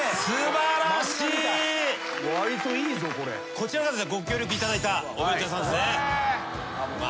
こちらがご協力いただいたお弁当屋さんですね。